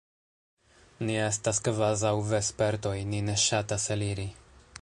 Ni estas kvazaŭ vespertoj: ni ne ŝatas eliri.